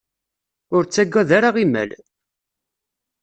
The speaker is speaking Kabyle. Ur ttagad ara imal!